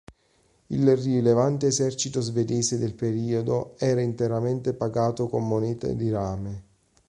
Il rilevante esercito svedese del periodo era interamente pagato con monete di rame.